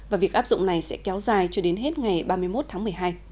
và việc áp dụng này sẽ kéo dài cho đến hết ngày ba mươi một tháng một mươi hai